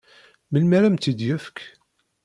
Melmi ara am-tt-id-yefk?